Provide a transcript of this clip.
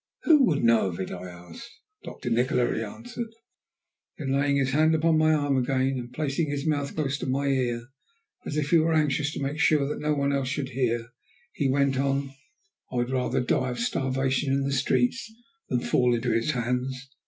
"Who would know of it?" I asked. "Doctor Nikola," he answered. Then laying his hand upon my arm again, and placing his mouth close to my ear as if he were anxious to make sure that no one else should hear, he went on, "I would rather die of starvation in the streets than fall into his hands.